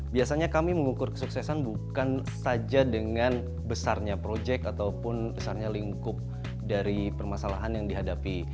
biasanya kami mengukur kesuksesan bukan saja dengan besarnya proyek ataupun besarnya lingkup dari permasalahan yang dihadapi